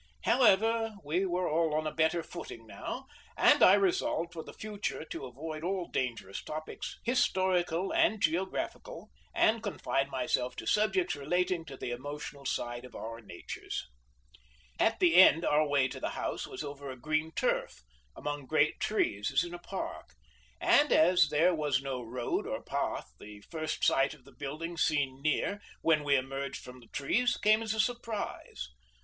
However, we were all on a better footing now; and I resolved for the future to avoid all dangerous topics, historical and geographical, and confine myself to subjects relating to the emotional side of our natures. At the end our way to the house was over a green turf, among great trees as in a park; and as there was no road or path, the first sight of the building seen near, when we emerged from the trees, came as a surprise.